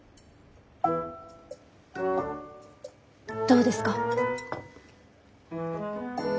どうですか？